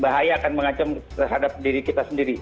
bahayakan mengacem terhadap diri kita sendiri